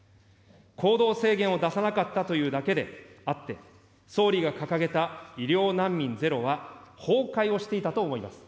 行動制限を出さなかったというだけであって、総理が掲げた医療難民ゼロは崩壊をしていたと思います。